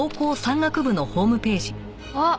あっ！